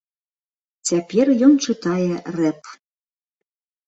Цяпер ён чытае рэп.